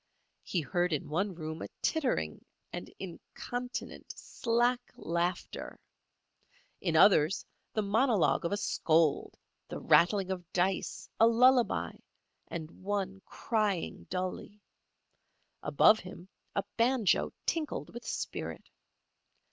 He heard in one room a tittering and incontinent, slack laughter; in others the monologue of a scold, the rattling of dice, a lullaby, and one crying dully; above him a banjo tinkled with spirit.